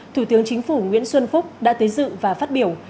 thủ tướng chính phủ nguyễn xuân phúc đã tới dự và phát biểu